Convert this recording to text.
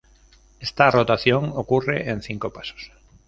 Esta rotación ocurre en cinco pasos.